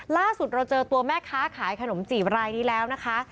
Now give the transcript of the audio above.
ล่าสุดเราเจอตัวแม่ค้าขายขนมจีบรายนี้แล้วนะคะ